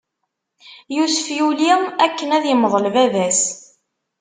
Yusef yuli akken ad imḍel baba-s.